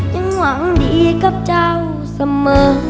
ยังหวังดีกับเจ้าเสมอ